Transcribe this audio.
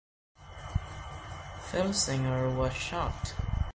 Filsinger was shocked.